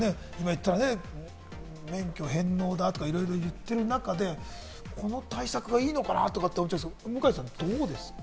今、免許返納だとか、いろいろ言ってる中で、この対策がいいのかな？とか思ったりするけれども、向井さん、どうですか？